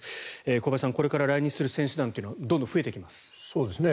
小林さん、これから来日する選手団というのはどんどん増えていきます。